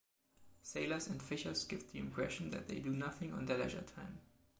Sailors and fishers give the impression that they do nothing on their leisure time.